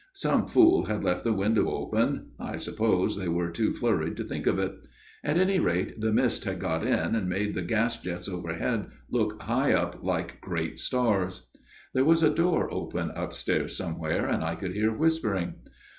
Some fool had left the window open I suppose they were too flurried to think of it. At any rate, the mist had got in, and made the gas jets overhead look high up like great stars. " There was a door open upstairs somewhere, and I could hear whispering.